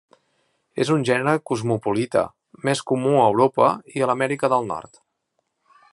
És un gènere cosmopolita, més comú a Europa i a l'Amèrica del Nord.